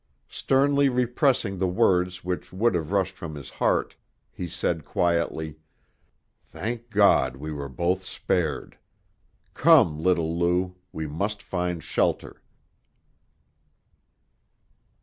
Sternly repressing the words which would have rushed from his heart, he said quietly: "Thank God we were both spared. Come, little Lou, we must find shelter."